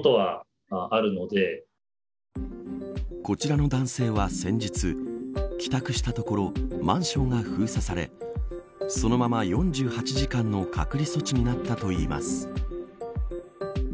こちらの男性は先日帰宅したところマンションが封鎖されそのまま４８時間の隔離措置になったといいます。